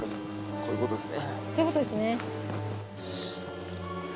そういうことですね。